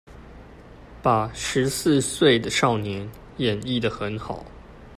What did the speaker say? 把十四歲的少年演繹的很好